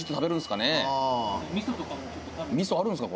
ミソあるんですか？